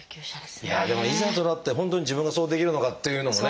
いやでもいざとなって本当に自分がそうできるのかっていうのもね。